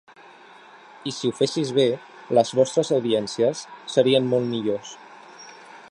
I si ho fessis bé, les vostres audiències serien molt millors.